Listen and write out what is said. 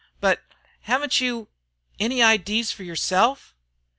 But haven't you any idees fer yerself?"